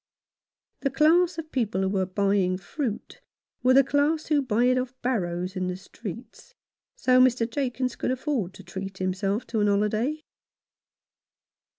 The class of people who were buying fruit were the class who buy it off barrows in the streets ; so Mr. Jakins could afford to treat himself to a holiday.